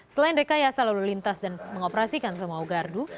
selain rekayasa lalu lintas dan mengoperasikan semua gardu